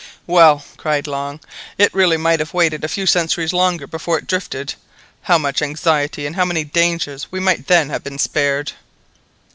"Well," cried Long, "it really might have waited a few centuries longer before it drifted. How much anxiety and how many dangers we might then have been spared!"